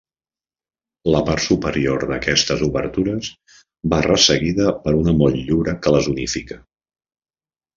La part superior d'aquestes obertures va resseguida per una motllura que les unifica.